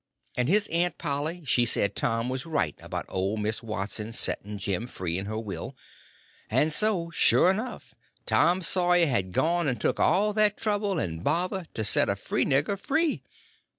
And his Aunt Polly she said Tom was right about old Miss Watson setting Jim free in her will; and so, sure enough, Tom Sawyer had gone and took all that trouble and bother to set a free nigger free!